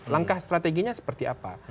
langkah strateginya seperti apa